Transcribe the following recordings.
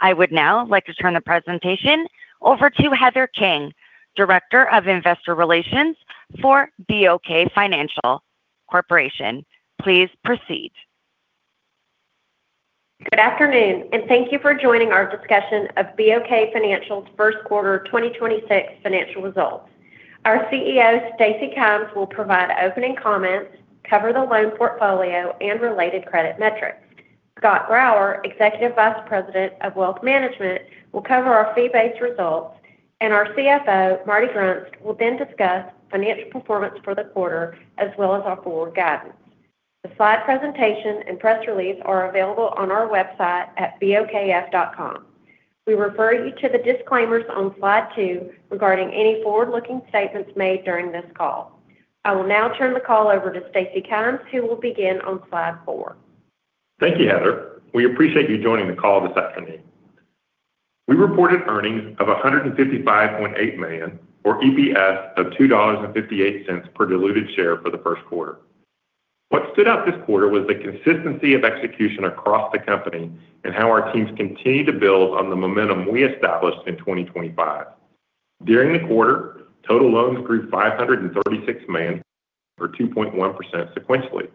I would now like to turn the presentation over to Heather King, Director of Investor Relations for BOK Financial Corporation. Please proceed. Good afternoon, and thank you for joining our discussion of BOK Financial's first quarter 2026 financial results. Our CEO, Stacy Kymes, will provide opening comments, cover the loan portfolio, and related credit metrics. Scott Grauer, Executive Vice President of Wealth Management, will cover our fee-based results, and our CFO, Martin Grunst, will then discuss financial performance for the quarter as well as our forward guidance. The slide presentation and press release are available on our website at bokf.com. We refer you to the disclaimers on slide two regarding any forward-looking statements made during this call. I will now turn the call over to Stacy Kymes, who will begin on slide four. Thank you, Heather. We appreciate you joining the call this afternoon. We reported earnings of $155.8 million, or EPS of $2.58 per diluted share for the first quarter. What stood out this quarter was the consistency of execution across the company and how our teams continue to build on the momentum we established in 2025. During the quarter, total loans grew $536 million or 2.1% sequentially.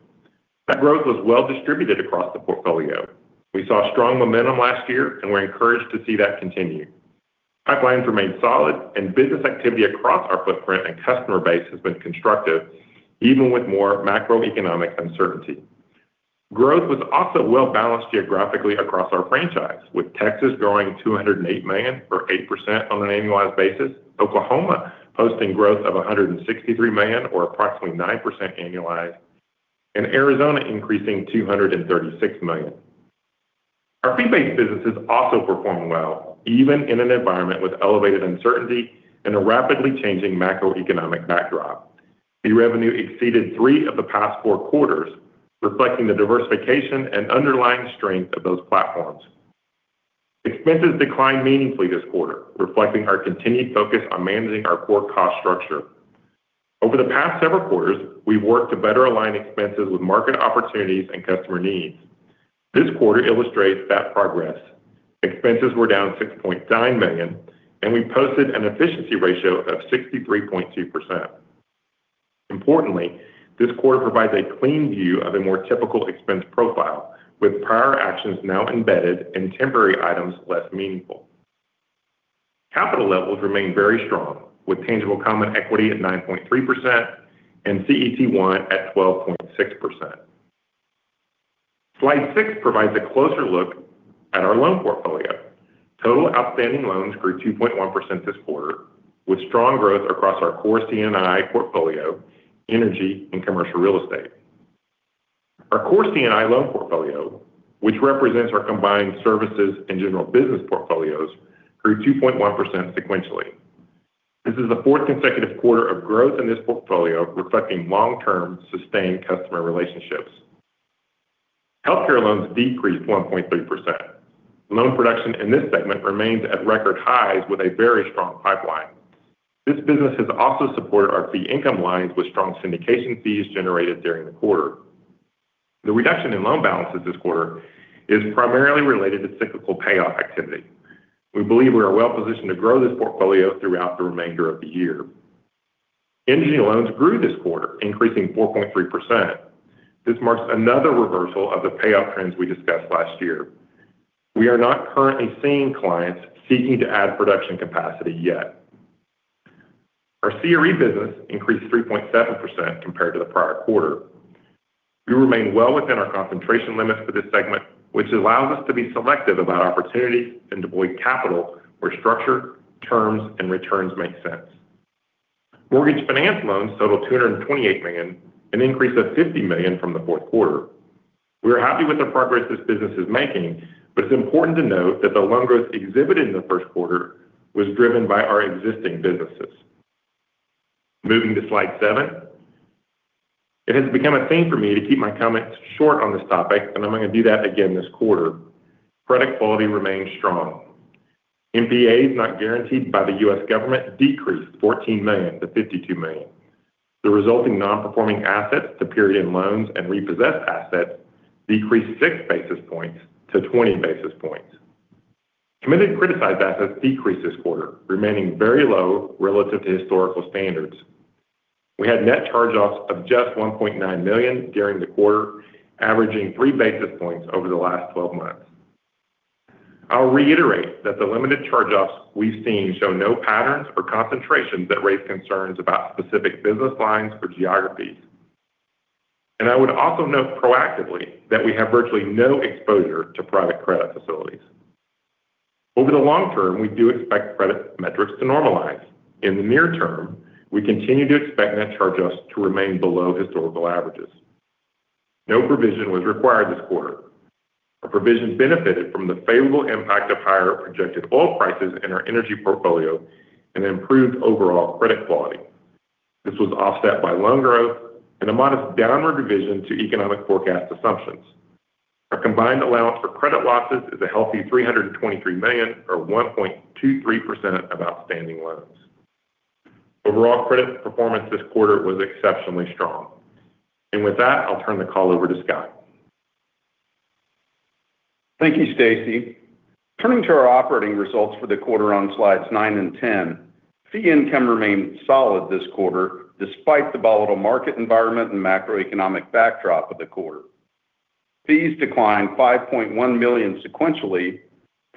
That growth was well distributed across the portfolio. We saw strong momentum last year, and we're encouraged to see that continue. Pipelines remained solid and business activity across our footprint and customer base has been constructive, even with more macroeconomic uncertainty. Growth was also well-balanced geographically across our franchise, with Texas growing $208 million or 8% on an annualized basis, Oklahoma posting growth of $163 million or approximately 9% annualized, and Arizona increasing $236 million. Our fee-based businesses also performed well, even in an environment with elevated uncertainty and a rapidly changing macroeconomic backdrop. Fee revenue exceeded three of the past four quarters, reflecting the diversification and underlying strength of those platforms. Expenses declined meaningfully this quarter, reflecting our continued focus on managing our core cost structure. Over the past several quarters, we've worked to better align expenses with market opportunities and customer needs. This quarter illustrates that progress. Expenses were down $6.9 million, and we posted an efficiency ratio of 63.2%. Importantly, this quarter provides a clean view of a more typical expense profile, with prior actions now embedded and temporary items less meaningful. Capital levels remain very strong, with tangible common equity at 9.3% and CET1 at 12.6%. Slide six provides a closer look at our loan portfolio. Total outstanding loans grew 2.1% this quarter, with strong growth across our core C&I portfolio, energy, and commercial real estate. Our core C&I loan portfolio, which represents our combined services and general business portfolios, grew 2.1% sequentially. This is the fourth consecutive quarter of growth in this portfolio, reflecting long-term, sustained customer relationships. Healthcare loans decreased 1.3%. Loan production in this segment remains at record highs with a very strong pipeline. This business has also supported our fee income lines with strong syndication fees generated during the quarter. The reduction in loan balances this quarter is primarily related to cyclical payoff activity. We believe we are well positioned to grow this portfolio throughout the remainder of the year. Energy loans grew this quarter, increasing 4.3%. This marks another reversal of the payoff trends we discussed last year. We are not currently seeing clients seeking to add production capacity yet. Our CRE business increased 3.7% compared to the prior quarter. We remain well within our concentration limits for this segment, which allows us to be selective about opportunities and deploy capital where structure, terms, and returns make sense. Mortgage finance loans total $228 million, an increase of $50 million from the fourth quarter. We are happy with the progress this business is making, but it's important to note that the loan growth exhibited in the first quarter was driven by our existing businesses. Moving to slide seven. It has become a theme for me to keep my comments short on this topic, and I'm going to do that again this quarter. Credit quality remains strong. NPAs not guaranteed by the U.S. government decreased $14 million to $52 million. The resulting non-performing assets to period loans and repossessed assets decreased 6 basis points to 20 basis points. Committed criticized assets decreased this quarter, remaining very low relative to historical standards. We had net charge-offs of just $1.9 million during the quarter, averaging three basis points over the last 12 months. I'll reiterate that the limited charge-offs we've seen show no patterns or concentrations that raise concerns about specific business lines or geographies. I would also note proactively that we have virtually no exposure to private credit facilities. Over the long-term, we do expect credit metrics to normalize. In the near-term, we continue to expect net charge-offs to remain below historical averages. No provision was required this quarter. Our provision benefited from the favorable impact of higher projected oil prices in our energy portfolio and improved overall credit quality. This was offset by loan growth and a modest downward revision to economic forecast assumptions. Our combined allowance for credit losses is a healthy $323 million or 1.23% of outstanding loans. Overall credit performance this quarter was exceptionally strong. With that, I'll turn the call over to Scott. Thank you, Stacy. Turning to our operating results for the quarter on slides nine and 10. Fee income remained solid this quarter despite the volatile market environment and macroeconomic backdrop of the quarter. Fees declined $5.1 million sequentially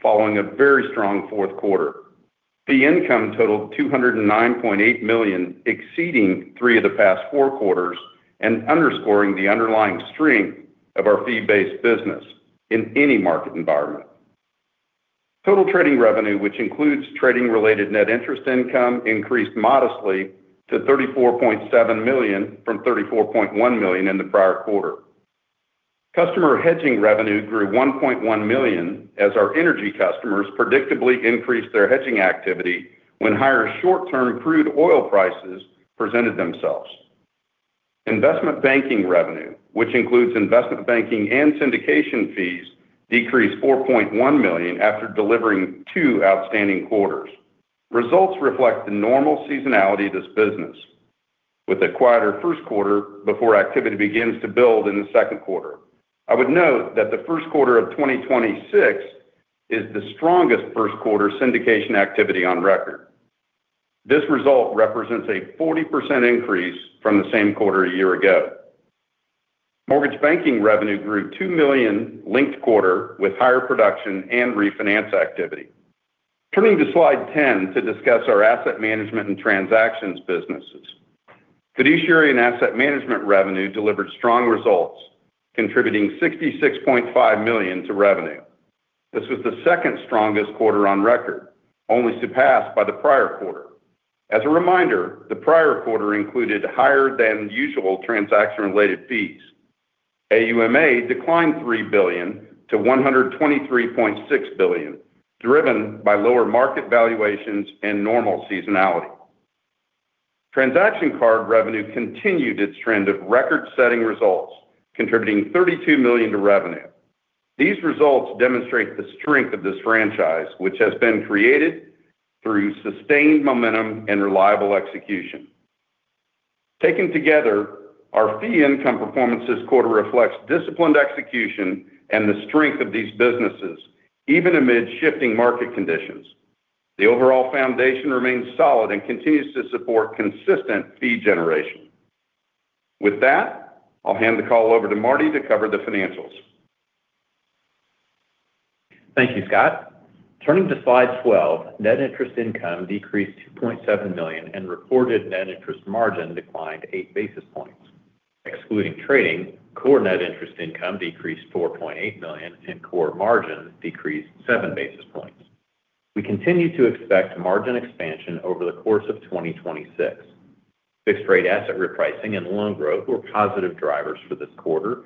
following a very strong fourth quarter. Fee income totaled $209.8 million, exceeding three of the past four quarters and underscoring the underlying strength of our fee-based business in any market environment. Total trading revenue, which includes trading-related net interest income, increased modestly to $34.7 million from $34.1 million in the prior quarter. Customer hedging revenue grew $1.1 million as our energy customers predictably increased their hedging activity when higher short-term crude oil prices presented themselves. Investment banking revenue, which includes investment banking and syndication fees, decreased $4.1 million after delivering two outstanding quarters. Results reflect the normal seasonality of this business with a quieter first quarter before activity begins to build in the second quarter. I would note that the first quarter of 2026 is the strongest first quarter syndication activity on record. This result represents a 40% increase from the same quarter a year ago. Mortgage banking revenue grew $2 million linked quarter with higher production and refinance activity. Turning to slide 10 to discuss our asset management and transactions businesses. Fiduciary and asset management revenue delivered strong results, contributing $66.5 million to revenue. This was the second strongest quarter on record, only surpassed by the prior quarter. As a reminder, the prior quarter included higher than usual transaction-related fees. AUMA declined $3 billion to $123.6 billion, driven by lower market valuations and normal seasonality. Transaction card revenue continued its trend of record-setting results, contributing $32 million to revenue. These results demonstrate the strength of this franchise, which has been created through sustained momentum and reliable execution. Taken together, our fee income performance this quarter reflects disciplined execution and the strength of these businesses, even amid shifting market conditions. The overall foundation remains solid and continues to support consistent fee generation. With that, I'll hand the call over to Marty to cover the financials. Thank you, Scott. Turning to slide 12. Net interest income decreased $2.7 million and recorded net interest margin declined 8 basis points. Excluding trading, core net interest income decreased $4.8 million and core margin decreased 7 basis points. We continue to expect margin expansion over the course of 2026. Fixed-rate asset repricing and loan growth were positive drivers for this quarter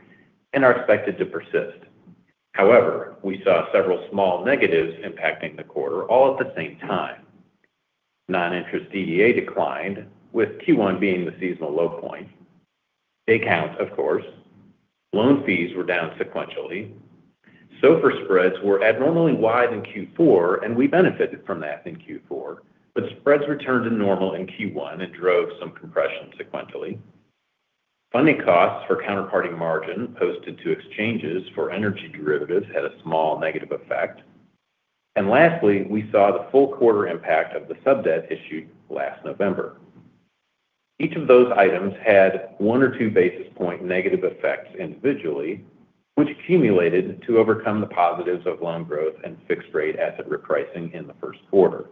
and are expected to persist. However, we saw several small negatives impacting the quarter all at the same time. Non-interest DDA declined, with Q1 being the seasonal low point. Day count, of course. Loan fees were down sequentially. SOFR spreads were abnormally wide in Q4, and we benefited from that in Q4. But spreads returned to normal in Q1 and drove some compression sequentially. Funding costs for counterparty margin posted to exchanges for energy derivatives had a small negative effect. Lastly, we saw the full quarter impact of the sub-debt issued last November. Each of those items had one or two basis points negative effects individually, which accumulated to overcome the positives of loan growth and fixed-rate asset repricing in the first quarter.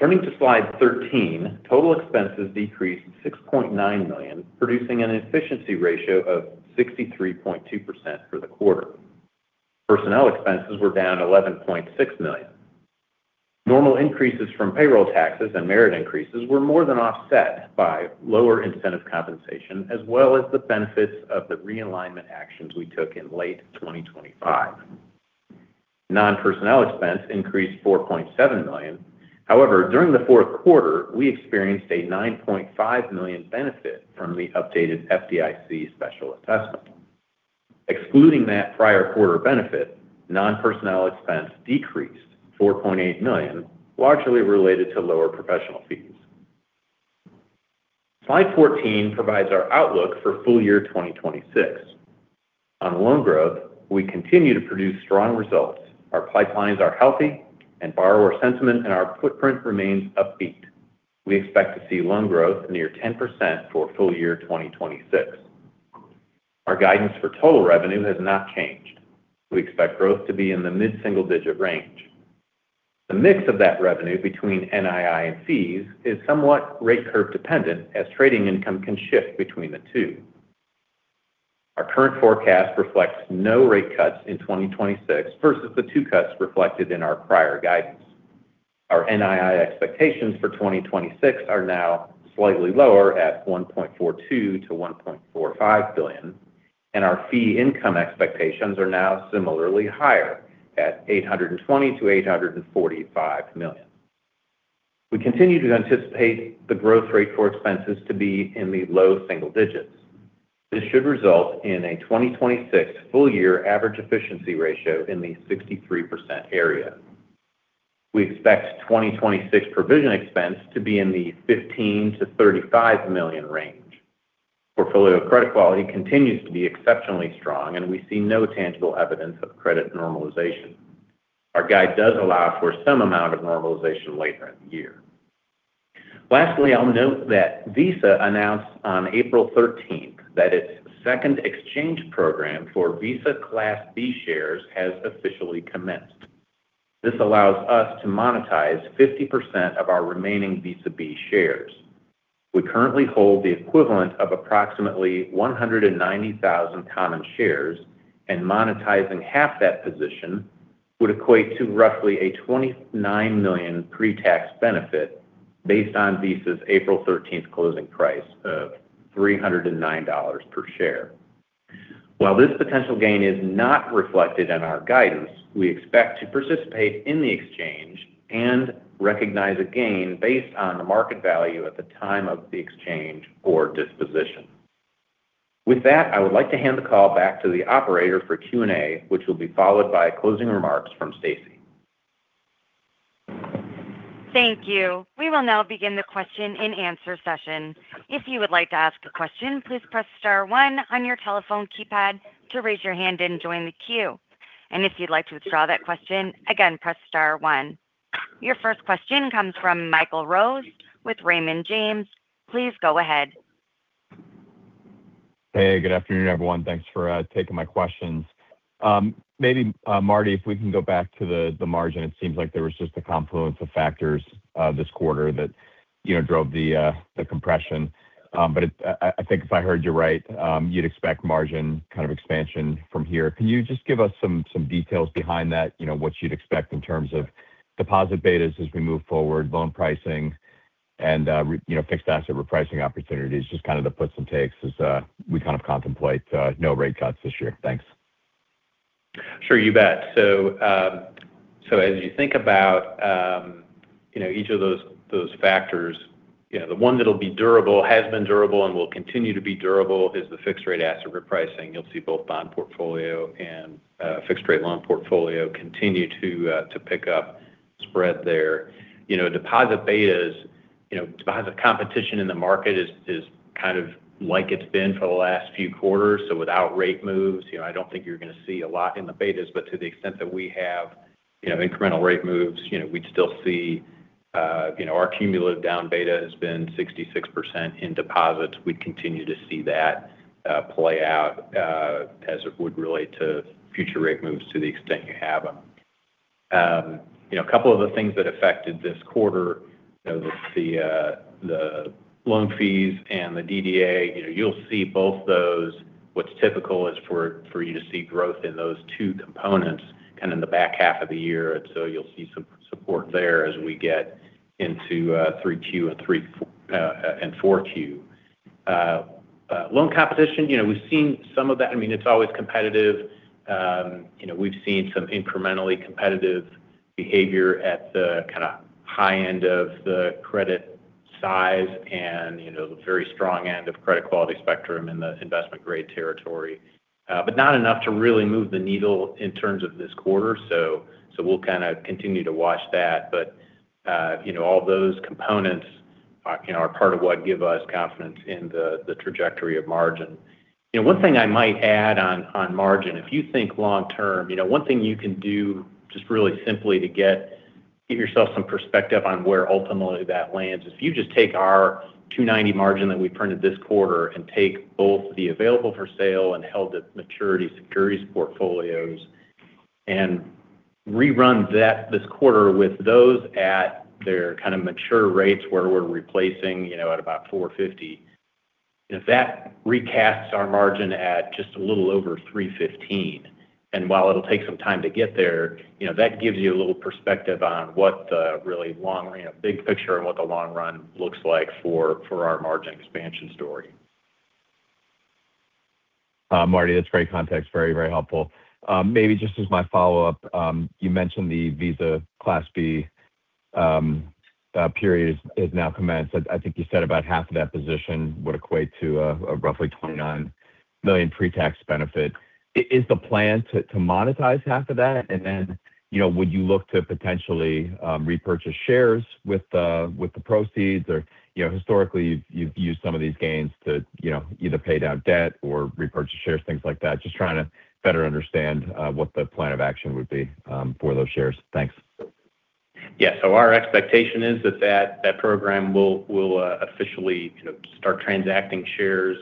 Turning to slide 13. Total expenses decreased $6.9 million, producing an efficiency ratio of 63.2% for the quarter. Personnel expenses were down $11.6 million. Normal increases from payroll taxes and merit increases were more than offset by lower incentive compensation, as well as the benefits of the realignment actions we took in late 2025. Non-personnel expense increased $4.7 million. However, during the fourth quarter, we experienced a $9.5 million benefit from the updated FDIC Special Assessment. Excluding that prior quarter benefit, non-personnel expense decreased $4.8 million, largely related to lower professional fees. Slide 14 provides our outlook for full year 2026. On loan growth, we continue to produce strong results. Our pipelines are healthy and borrower sentiment and our footprint remains upbeat. We expect to see loan growth near 10% for full year 2026. Our guidance for total revenue has not changed. We expect growth to be in the mid-single digit range. The mix of that revenue between NII and fees is somewhat rate curve dependent as trading income can shift between the two. Our current forecast reflects no rate cuts in 2026 versus the two cuts reflected in our prior guidance. Our NII expectations for 2026 are now slightly lower at $1.42 billion-$1.45 billion, and our fee income expectations are now similarly higher at $820 million-$845 million. We continue to anticipate the growth rate for expenses to be in the low single digits. This should result in a 2026 full-year average efficiency ratio in the 63% area. We expect 2026 provision expense to be in the $15 million-$35 million range. Portfolio credit quality continues to be exceptionally strong, and we see no tangible evidence of credit normalization. Our guide does allow for some amount of normalization later in the year. Lastly, I'll note that Visa announced on April 13th that its second exchange program for Visa Class B shares has officially commenced. This allows us to monetize 50% of our remaining Visa B shares. We currently hold the equivalent of approximately 190,000 common shares, and monetizing half that position would equate to roughly a $29 million pre-tax benefit based on Visa's April 13th closing price of $309 per share. While this potential gain is not reflected in our guidance, we expect to participate in the exchange and recognize a gain based on the market value at the time of the exchange or disposition. With that, I would like to hand the call back to the operator for Q&A, which will be followed by closing remarks from Stacy. Thank you. We will now begin the question-and-answer session. If you would like to ask a question, please press star-one on your telephone keypad to raise your hand and join the queue. If you'd like to withdraw that question, again, press star-one. Your first question comes from Michael Rose with Raymond James. Please go ahead. Hey, good afternoon, everyone. Thanks for taking my questions. Maybe, Marty, if we can go back to the margin. It seems like there was just a confluence of factors this quarter that drove the compression. I think if I heard you right, you'd expect margin expansion from here. Can you just give us some details behind that? What you'd expect in terms of deposit betas as we move forward, loan pricing, and fixed asset repricing opportunities, just the puts and takes as we contemplate no rate cuts this year. Thanks. Sure, you bet. As you think about each of those factors, the one that'll be durable, has been durable, and will continue to be durable is the fixed-rate asset repricing. You'll see both bond portfolio and fixed-rate loan portfolio continue to pick up spread there. Deposit betas, deposit competition in the market is like it's been for the last few quarters. Without rate moves, I don't think you're going to see a lot in the betas, but to the extent that we have incremental rate moves, we'd still see our cumulative down beta has been 66% in deposits. We'd continue to see that play out as it would relate to future rate moves to the extent you have them. A couple of the things that affected this quarter, the loan fees and the DDA. You'll see both those. What's typical is for you to see growth in those two components in the back half of the year. You'll see some support there as we get into 3Q and 4Q. Loan competition, we've seen some of that. It's always competitive. We've seen some incrementally competitive behavior at the high end of the credit size and the very strong end of credit quality spectrum in the investment-grade territory. Not enough to really move the needle in terms of this quarter. We'll continue to watch that. All those components are part of what give us confidence in the trajectory of margin. One thing I might add on margin, if you think long-term, one thing you can do just really simply to give yourself some perspective on where ultimately that lands is if you just take our 2.90% margin that we printed this quarter and take both the available for sale and held to maturity securities portfolios and rerun that this quarter with those at their mature rates where we're replacing at about 4.50%. That recasts our margin at just a little over 3.15%. While it'll take some time to get there, that gives you a little perspective on what the really long-run, big picture and what the long run looks like for our margin expansion story. Marty, that's great context. Very helpful. Maybe just as my follow-up, you mentioned the Visa Class B period is now commenced. I think you said about half of that position would equate to a roughly $29 million pre-tax benefit. Is the plan to monetize half of that? And then, would you look to potentially repurchase shares with the proceeds or historically, you've used some of these gains to either pay down debt or repurchase shares, things like that. Just trying to better understand what the plan of action would be for those shares. Thanks. Yeah. Our expectation is that that program will officially start transacting shares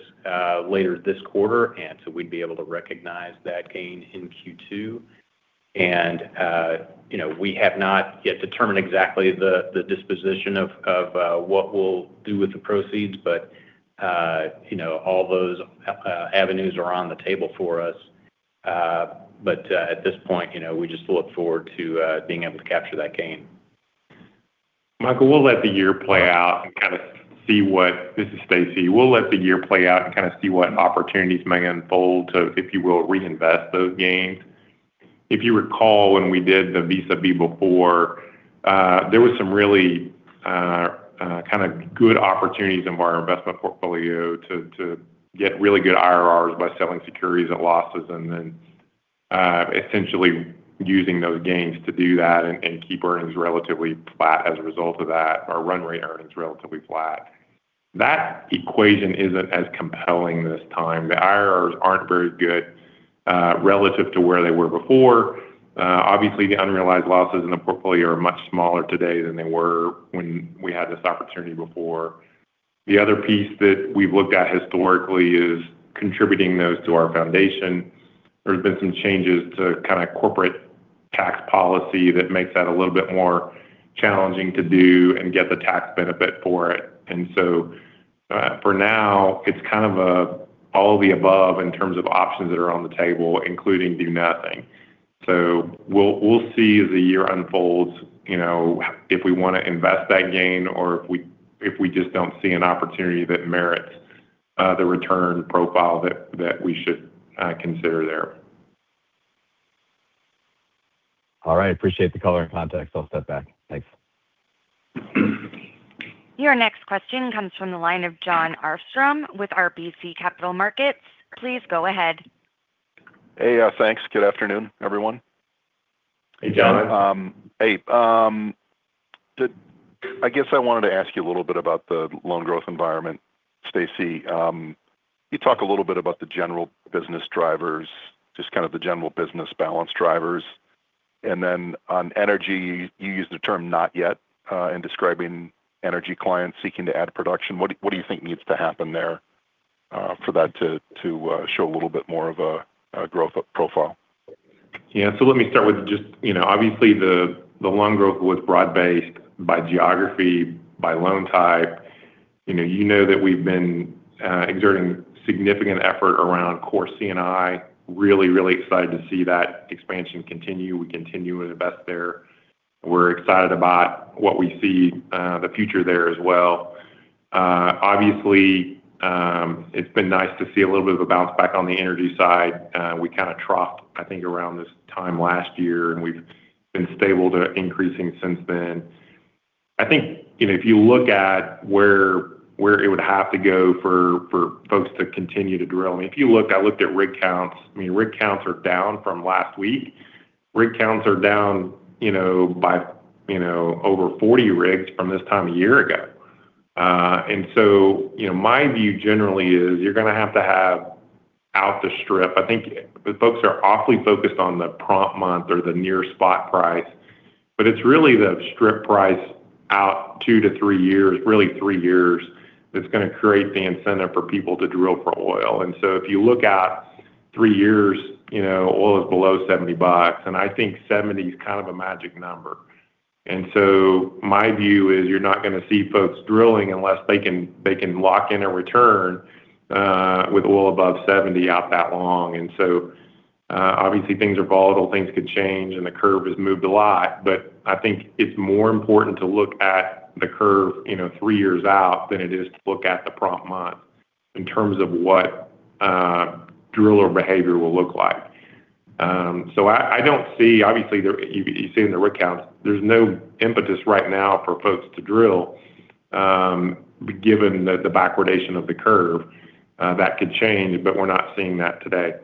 later this quarter. We'd be able to recognize that gain in Q2. We have not yet determined exactly the disposition of what we'll do with the proceeds, but all those avenues are on the table for us. At this point, we just look forward to being able to capture that gain. Michael, this is Stacy. We'll let the year play out and see what opportunities may unfold to, if you will, reinvest those gains. If you recall, when we did the Visa B before, there were some really kind of good opportunities in our investment portfolio to get really good IRRs by selling securities at losses and then essentially using those gains to do that and keep earnings relatively flat as a result of that, or run rate earnings relatively flat. That equation isn't as compelling this time. The IRRs aren't very good relative to where they were before. Obviously, the unrealized losses in the portfolio are much smaller today than they were when we had this opportunity before. The other piece that we've looked at historically is contributing those to our foundation. There's been some changes to kind of corporate tax policy that makes that a little bit more challenging to do and get the tax benefit for it. For now, it's kind of all of the above in terms of options that are on the table, including do nothing. We'll see as the year unfolds if we want to invest that gain or if we just don't see an opportunity that merits the return profile that we should consider there. All right. Appreciate the color and context. I'll step back. Thanks. Your next question comes from the line of Jon Arfstrom with RBC Capital Markets. Please go ahead. Hey. Thanks. Good afternoon, everyone. Hey, Jon. Hey. I guess I wanted to ask you a little bit about the loan growth environment. Stacy, you talk a little bit about the general business drivers, just kind of the general business balance drivers. On energy, you used the term "not yet" in describing energy clients seeking to add production. What do you think needs to happen there for that to show a little bit more of a growth profile? Yeah. Let me start with just obviously the loan growth was broad-based by geography, by loan type. You know that we've been exerting significant effort around core C&I. Really, really excited to see that expansion continue. We continue to invest there. We're excited about what we see the future there as well. Obviously, it's been nice to see a little bit of a bounce back on the energy side. We kind of troughed, I think, around this time last year, and we've been stable to increasing since then. I think if you look at where it would have to go for folks to continue to drill, I mean, I looked at rig counts. I mean, rig counts are down from last week. Rig counts are down by over 40 rigs from this time a year ago. My view generally is you're going to have to have out the strip. I think folks are awfully focused on the prompt month or the near spot price, but it's really the strip price out two to three years, really three years, that's going to create the incentive for people to drill for oil. If you look out three years, oil is below $70. I think $70 is kind of a magic number. My view is you're not going to see folks drilling unless they can lock in a return with oil above $70 out that long. Obviously things are volatile, things could change, and the curve has moved a lot. I think it's more important to look at the curve three years out than it is to look at the prompt month in terms of what driller behavior will look like. I don't see, obviously, you've seen the rig counts. There's no impetus right now for folks to drill given the backwardation of the curve. That could change, but we're not seeing that today.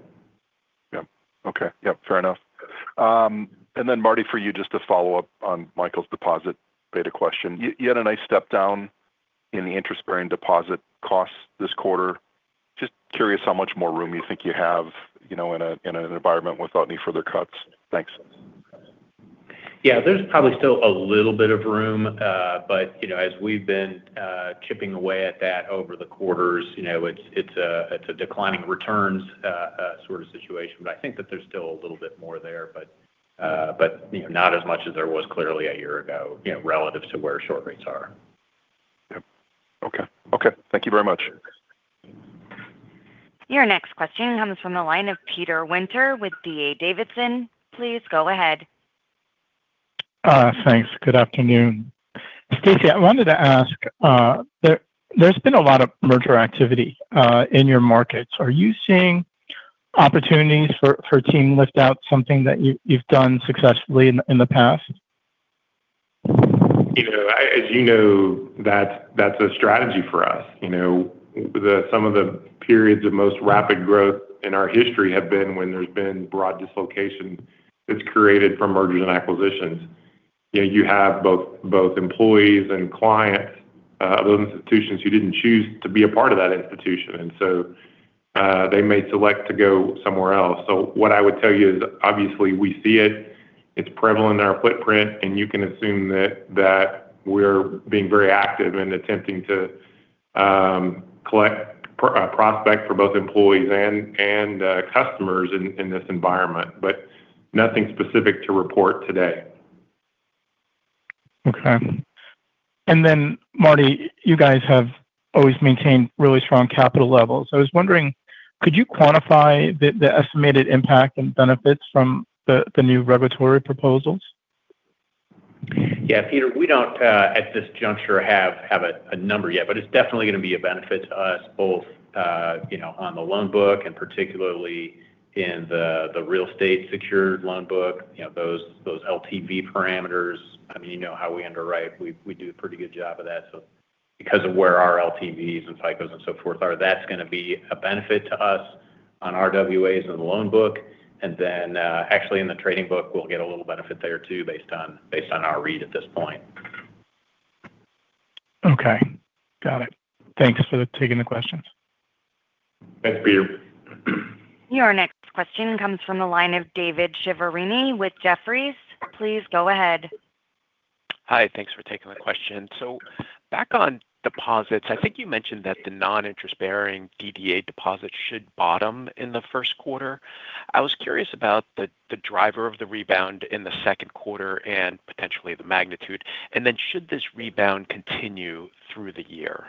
Yep. Okay. Yep. Fair enough. Marty, for you, just to follow up on Michael's deposit beta question. You had a nice step down in the interest-bearing deposit costs this quarter. Just curious how much more room you think you have in an environment without any further cuts. Thanks. Yeah. There's probably still a little bit of room. As we've been chipping away at that over the quarters, it's a declining returns sort of situation. I think that there's still a little bit more there, but not as much as there was clearly a year ago, relative to where short rates are. Yep. Okay. Thank you very much. Your next question comes from the line of Peter Winter with D.A. Davidson. Please go ahead. Thanks. Good afternoon. Stacy, I wanted to ask, there's been a lot of merger activity in your markets. Are you seeing opportunities for team lift-out, something that you've done successfully in the past? As you know, that's a strategy for us. Some of the periods of most rapid growth in our history have been when there's been broad dislocation that's created from mergers and acquisitions. You have both employees and clients of those institutions who didn't choose to be a part of that institution, and so they may select to go somewhere else. So what I would tell you is obviously we see it's prevalent in our footprint, and you can assume that we're being very active in attempting to collect prospects for both employees and customers in this environment. But nothing specific to report today. Okay. Marty, you guys have always maintained really strong capital levels. I was wondering, could you quantify the estimated impact and benefits from the new regulatory proposals? Yeah, Peter, we don't at this juncture have a number yet, but it's definitely going to be a benefit to us both on the loan book and particularly in the real estate secured loan book, those LTV parameters. You know how we underwrite. We do a pretty good job of that. Because of where our LTVs and FICO and so forth are, that's going to be a benefit to us on RWAs and the loan book. Actually in the trading book, we'll get a little benefit there too based on our read at this point. Okay. Got it. Thanks for taking the questions. Thanks, Peter. Your next question comes from the line of David Chiaverini with Jefferies. Please go ahead. Hi. Thanks for taking the question. Back on deposits, I think you mentioned that the non-interest bearing DDA deposits should bottom in the first quarter. I was curious about the driver of the rebound in the second quarter and potentially the magnitude, and then should this rebound continue through the year?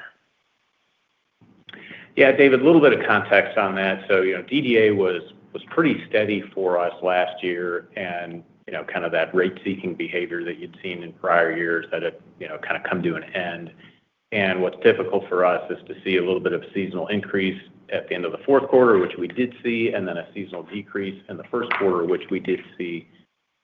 Yeah, David, a little bit of context on that. DDA was pretty steady for us last year, and kind of that rate-seeking behavior that you'd seen in prior years had kind of come to an end. What's typical for us is to see a little bit of seasonal increase at the end of the fourth quarter, which we did see, and then a seasonal decrease in the first quarter, which we did see.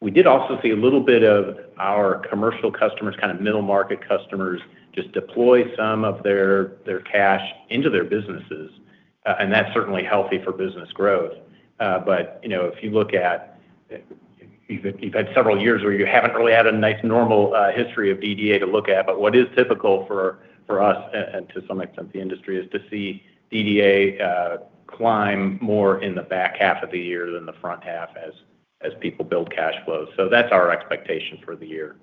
We did also see a little bit of our commercial customers, kind of middle market customers, just deploy some of their cash into their businesses. That's certainly healthy for business growth. You've had several years where you haven't really had a nice normal history of DDA to look at. What is typical for us, and to some extent the industry, is to see DDA climb more in the back half of the year than the front half as people build cash flows. That's our expectation for the year.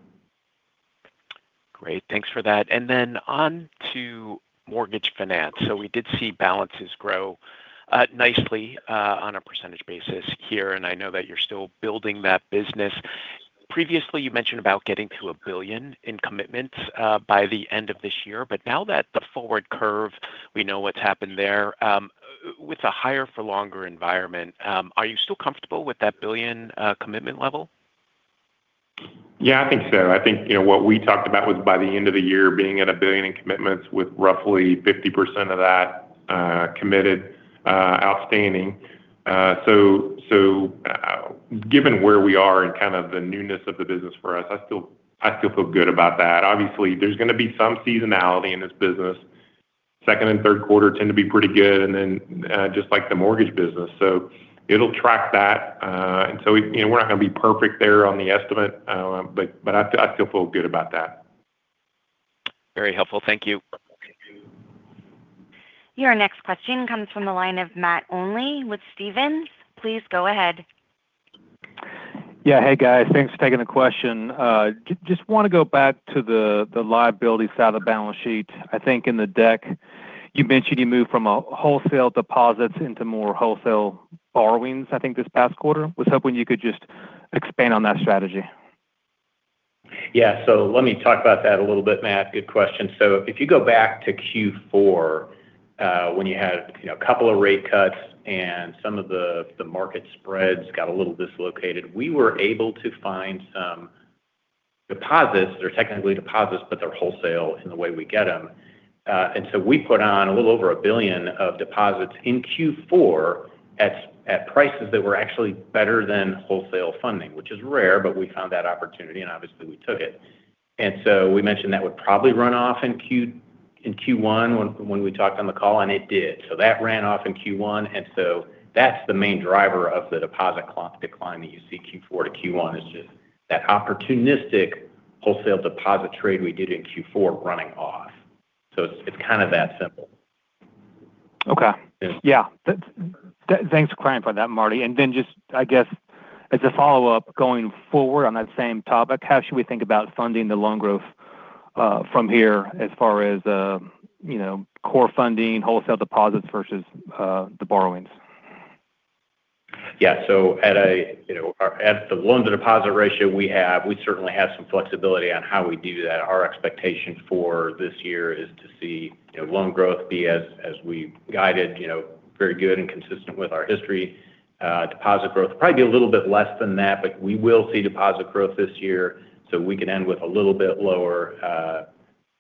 Great. Thanks for that. On to mortgage finance. We did see balances grow nicely on a percentage basis here, and I know that you're still building that business. Previously, you mentioned about getting to $1 billion in commitments by the end of this year. Now that the forward curve, we know what's happened there. With a higher-for-longer environment, are you still comfortable with that $1 billion commitment level? Yeah, I think so. I think what we talked about was by the end of the year being at $1 billion in commitments with roughly 50% of that committed outstanding. Given where we are and kind of the newness of the business for us, I still feel good about that. Obviously, there's going to be some seasonality in this business. Second and third quarter tend to be pretty good, and then just like the mortgage business. It'll track that. We're not going to be perfect there on the estimate, but I still feel good about that. Very helpful. Thank you. Your next question comes from the line of Matt Olney with Stephens. Please go ahead. Yeah. Hey, guys. Thanks for taking the question. Just want to go back to the liabilities side of the balance sheet. I think in the deck you mentioned you moved from a wholesale deposits into more wholesale borrowings, I think this past quarter. Was hoping you could just expand on that strategy. Yeah. Let me talk about that a little bit, Matt. Good question. If you go back to Q4 when you had a couple of rate cuts and some of the market spreads got a little dislocated, we were able to find some deposits. They're technically deposits, but they're wholesale in the way we get them. We put on a little over $1 billion of deposits in Q4 at prices that were actually better than wholesale funding, which is rare, but we found that opportunity and obviously we took it. We mentioned that would probably run off in Q1 when we talked on the call, and it did. That ran off in Q1, and that's the main driver of the deposit decline that you see Q4 to Q1 is just that opportunistic wholesale deposit trade we did in Q4 running off. It's kind of that simple. Okay. Yeah. Thanks for clarifying that, Marty. Just, I guess as a follow-up, going forward on that same topic, how should we think about funding the loan growth from here as far as core funding, wholesale deposits versus the borrowings? Yeah. At the loan-to-deposit ratio we have, we certainly have some flexibility on how we do that. Our expectation for this year is to see loan growth be as we guided, very good and consistent with our history. Deposit growth probably be a little bit less than that, but we will see deposit growth this year. We could end with a little bit lower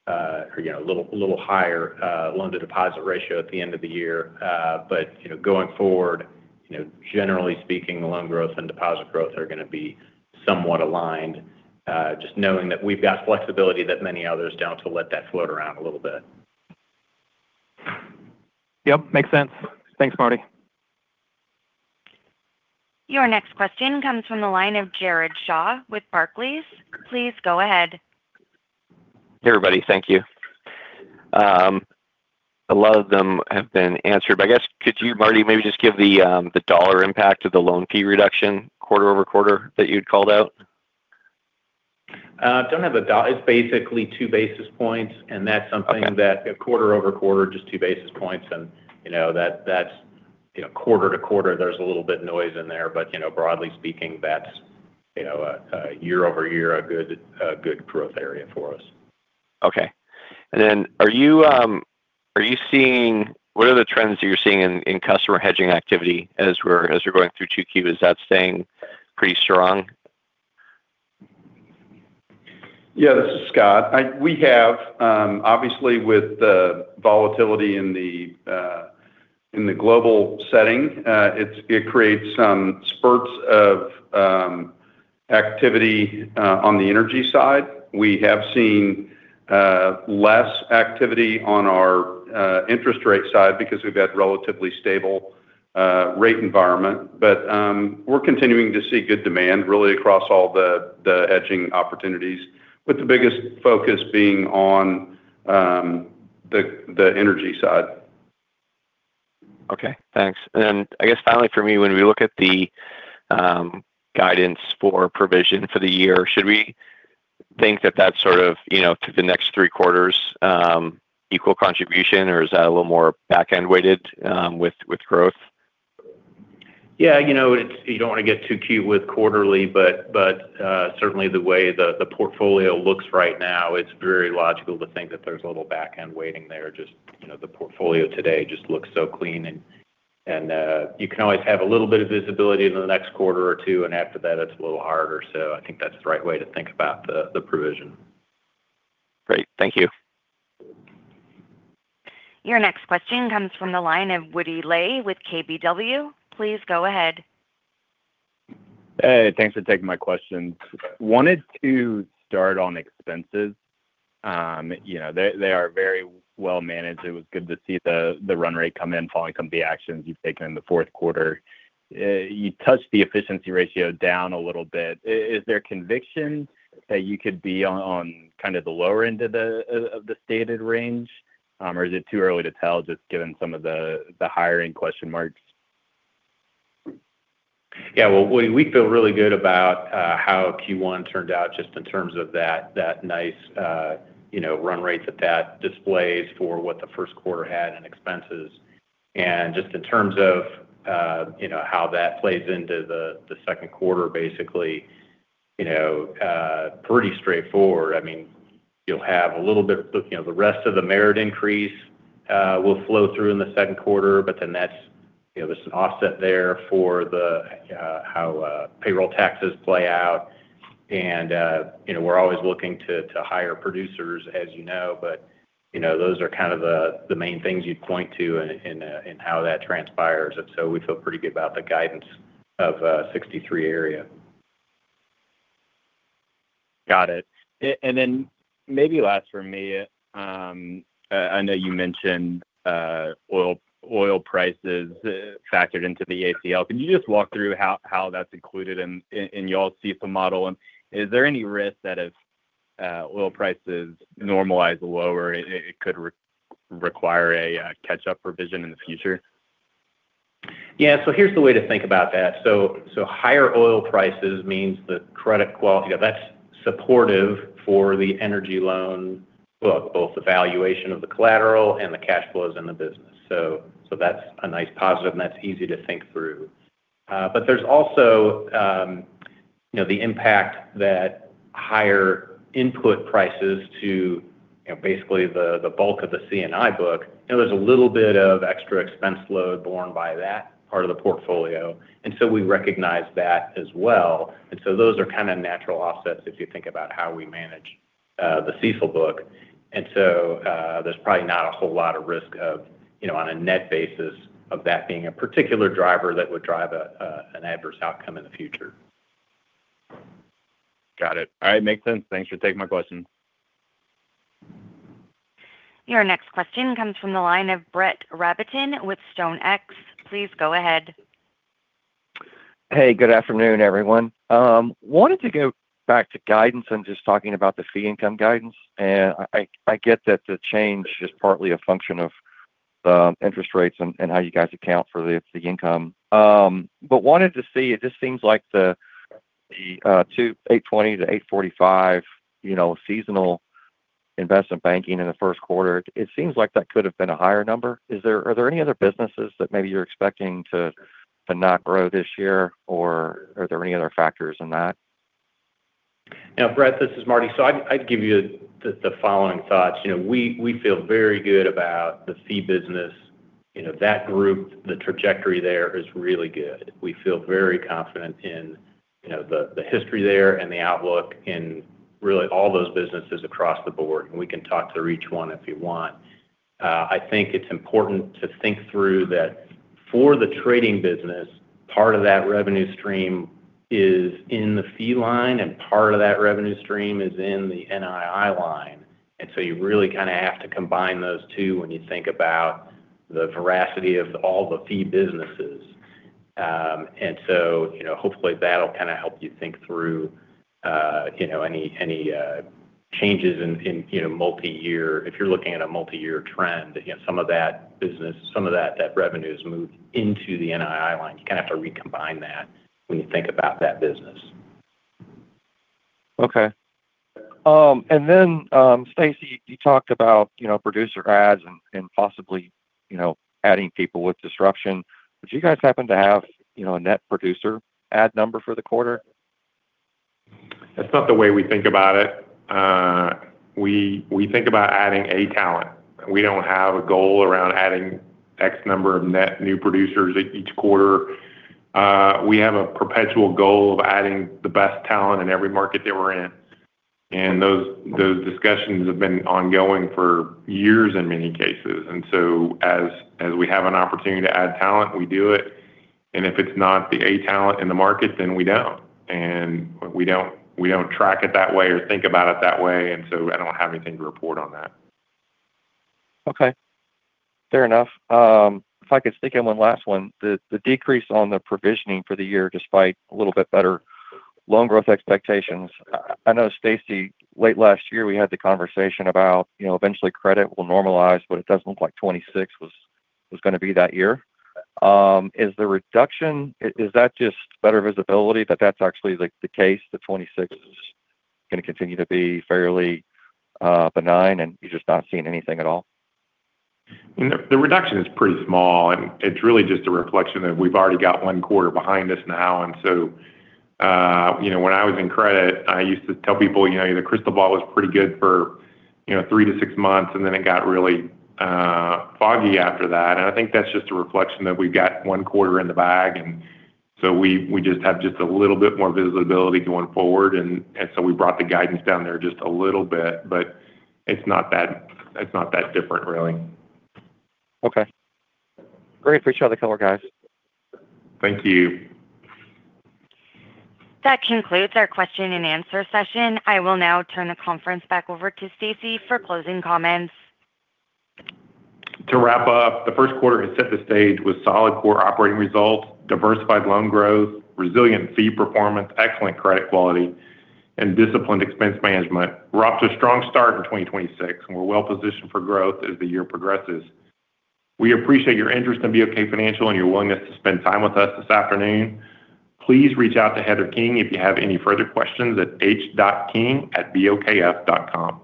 or a little higher loan-to-deposit ratio at the end of the year. Going forward, generally speaking, the loan growth and deposit growth are going to be somewhat aligned. Just knowing that we've got flexibility that many others don't to let that float around a little bit. Yep, makes sense. Thanks, Marty. Your next question comes from the line of Jared Shaw with Barclays. Please go ahead. Hey, everybody. Thank you. A lot of them have been answered, but I guess, could you, Marty, maybe just give the dollar impact of the loan fee reduction quarter-over-quarter that you'd called out? It's basically 2 basis points, and that's something that quarter-over-quarter, just two basis points. That's quarter-to-quarter, there's a little bit of noise in there, but broadly speaking, that's year-over-year a good growth area for us. Okay. What are the trends that you're seeing in customer hedging activity as we're going through 2Q? Is that staying pretty strong? Yeah. This is Scott. Obviously with the volatility in the global setting, it creates some spurts of activity on the energy side. We have seen less activity on our interest rate side because we've had relatively stable rate environment. We're continuing to see good demand really across all the hedging opportunities with the biggest focus being on the energy side. Okay, thanks. I guess finally from me, when we look at the guidance for provision for the year, should we think that's sort of the next three quarters equal contribution or is that a little more back-end weighted with growth? Yeah. You don't want to get too cute with quarterly, but certainly the way the portfolio looks right now, it's very logical to think that there's a little back-end waiting there. Just the portfolio today just looks so clean and you can always have a little bit of visibility into the next quarter or two, and after that it's a little harder. I think that's the right way to think about the provision. Great. Thank you. Your next question comes from the line of Woody Lay with KBW. Please go ahead. Hey, thanks for taking my question. I wanted to start on expenses. They are very well managed. It was good to see the run rate come in following company actions you've taken in the fourth quarter. You touched on the efficiency ratio down a little bit. Is there conviction that you could be on kind of the lower end of the stated range, or is it too early to tell just given some of the hiring question marks? Yeah. Well, we feel really good about how Q1 turned out just in terms of that nice run rate that displays for what the first quarter had in expenses. Just in terms of how that plays into the second quarter, basically, pretty straightforward. You'll have a little bit of the rest of the merit increase will flow through in the second quarter, but then there's an offset there for how payroll taxes play out, and we're always looking to hire producers, as you know. Those are kind of the main things you'd point to in how that transpires. We feel pretty good about the guidance of 63 area. Got it. Then maybe last for me, I know you mentioned oil prices factored into the ACL. Can you just walk through how that's included in y'all's CECL model, and is there any risk that if oil prices normalize lower, it could require a catch-up revision in the future? Yeah. Here's the way to think about that. Higher oil prices means the credit quality. That's supportive for the energy loan book, both the valuation of the collateral and the cash flows in the business. That's a nice positive and that's easy to think through. There's also the impact that higher input prices to basically the bulk of the C&I book. There's a little bit of extra expense load borne by that part of the portfolio, and so we recognize that as well. Those are kind of natural offsets if you think about how we manage the CECL book. There's probably not a whole lot of risk on a net basis of that being a particular driver that would drive an adverse outcome in the future. Got it. All right. Makes sense. Thanks for taking my question. Your next question comes from the line of Brett Rabatin with StoneX. Please go ahead. Hey, good afternoon, everyone. I wanted to go back to guidance and just talking about the fee income guidance. I get that the change is partly a function of the interest rates and how you guys account for the fee income. I wanted to see, it just seems like the $820 million-$845 million seasonal investment banking in the first quarter, it seems like that could have been a higher number. Are there any other businesses that maybe you're expecting to not grow this year, or are there any other factors in that? Brett, this is Marty. I'd give you the following thoughts. We feel very good about the fee business. That group, the trajectory there is really good. We feel very confident in the history there and the outlook in really all those businesses across the board, and we can talk through each one if you want. I think it's important to think through that for the trading business, part of that revenue stream is in the fee line, and part of that revenue stream is in the NII line. You really kind of have to combine those two when you think about the veracity of all the fee businesses. Hopefully that'll kind of help you think through any changes in multi-year. If you're looking at a multi-year trend, some of that business, some of that revenue is moved into the NII line. You kind of have to recombine that when you think about that business. Okay. Then, Stacy, you talked about producer adds and possibly, you know, adding people with disruption. Would you guys happen to have a net producer add number for the quarter? That's not the way we think about it. We think about adding a talent. We don't have a goal around adding X number of net new producers each quarter. We have a perpetual goal of adding the best talent in every market that we're in, and those discussions have been ongoing for years in many cases. As we have an opportunity to add talent, we do it, and if it's not the A talent in the market, then we don't. We don't track it that way or think about it that way, and so I don't have anything to report on that. Okay. Fair enough. If I could sneak in one last one. The decrease on the provisioning for the year, despite a little bit better loan growth expectations. I know, Stacy, late last year we had the conversation about eventually credit will normalize, but it doesn't look like 2026 was going to be that year. Is the reduction that just better visibility that that's actually the case, that 2026 is going to continue to be fairly benign and you're just not seeing anything at all? The reduction is pretty small, and it's really just a reflection that we've already got one quarter behind us now. When I was in credit, I used to tell people the crystal ball was pretty good for three to six months, and then it got really foggy after that. I think that's just a reflection that we've got one quarter in the bag, and so we just have a little bit more visibility going forward, and so we brought the guidance down there just a little bit. It's not that different, really. Okay. Greatly appreciate all the color, guys. Thank you. That concludes our question-and answer session. I will now turn the conference back over to Stacy for closing comments. To wrap up, the first quarter has set the stage with solid core operating results, diversified loan growth, resilient fee performance, excellent credit quality, and disciplined expense management. We're off to a strong start in 2026, and we're well positioned for growth as the year progresses. We appreciate your interest in BOK Financial and your willingness to spend time with us this afternoon. Please reach out to Heather King if you have any further questions at h.king@bokf.com.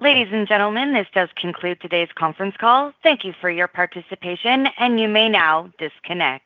Ladies and gentlemen, this does conclude today's conference call. Thank you for your participation, and you may now disconnect.